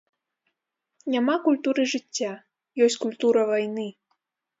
Няма культуры жыцця, ёсць культура вайны.